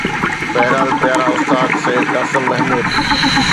بهرحال پيارا استاد سيد قاسم محمود